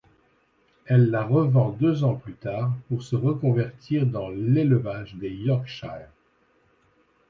Elle la revend deux ans plus tard pour se reconvertir dans l'élevage des yorkshires.